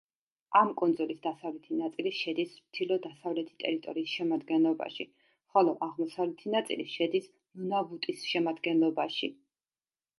ამ კუნძულის დასავლეთი ნაწილი შედის ჩრდილო-დასავლეთი ტერიტორიის შემადგენლობაში, ხოლო აღმოსავლეთი ნაწილი შედის ნუნავუტის შემადგენლობაში.